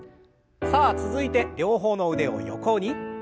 さあ続いて両方の腕を横に。